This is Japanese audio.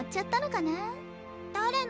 誰の？